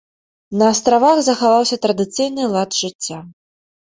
На астравах захаваўся традыцыйны лад жыцця.